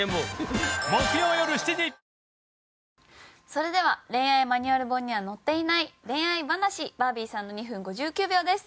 それでは「恋愛マニュアル本には載っていない恋愛話」バービーさんの２分５９秒です。